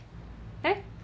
えっ？